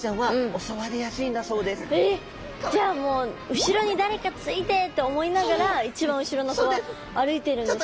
じゃあもう「後ろに誰かついて」って思いながらいちばん後ろの子は歩いてるんですね。